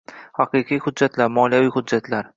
Huquqiy hujjatlar. Moliyaviy hujjatlar...